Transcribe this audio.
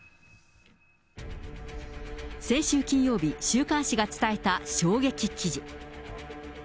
先週金曜日、週刊誌が伝えた衝撃記事。